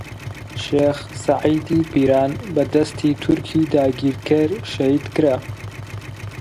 شێخ سەعیدی پیران بە دەستی تورکی داگیرکەر شەهیدکرا.